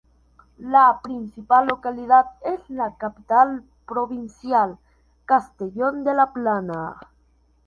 La principal localidad es la capital provincial, Castellón de la Plana.